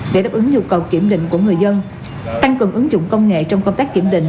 để đáp ứng nhu cầu kiểm định của người dân tăng cường ứng dụng công nghệ trong công tác kiểm định